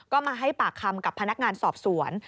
ก็มาให้ปากคำกับพนักงานสอบสวน